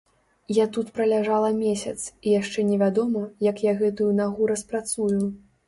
Я тут праляжала месяц, і яшчэ невядома, як я гэтую нагу распрацую.